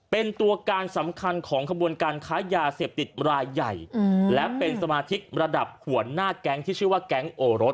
เป็นตัวการสำคัญของขบวนการค้ายาเสพติดรายใหญ่และเป็นสมาชิกระดับหัวหน้าแก๊งที่ชื่อว่าแก๊งโอรส